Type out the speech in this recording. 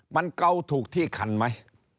มันเกาถูกที่คันไหม